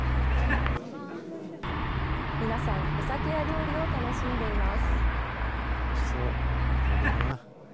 皆さんお酒や料理を楽しんでいます。